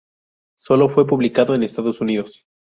Sólo fue publicado en Estados Unidos.